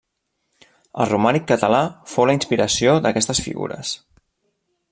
El romànic català fou la inspiració d'aquestes figures.